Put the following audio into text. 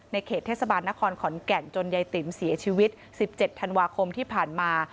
เขตเทศบาลนครขอนแก่นจนยายติ๋มเสียชีวิต๑๗ธันวาคมที่ผ่านมา